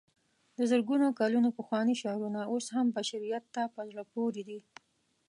د زرګونو کلونو پخواني شعرونه اوس هم بشریت ته په زړه پورې دي.